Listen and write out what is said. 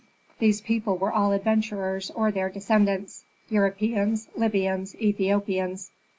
These people were all adventurers or their descendants, Europeans, Libyans, Ethiopians.